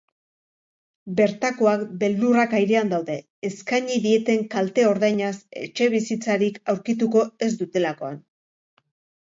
Bertakoak beldurrak airean daude eskaini dieten kalte-ordainaz etxebizitzarik aurkituko ez dutekakoan.